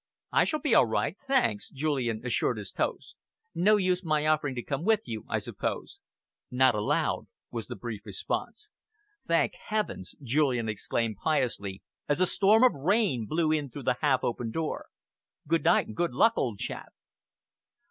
"I shall be all right, thanks," Julian assured his host. "No use my offering to come with you, I suppose?" "Not allowed," was the brief response. "Thank heavens!" Julian exclaimed piously, as a storm of rain blew in through the half open door. "Good night and good luck, old chap!"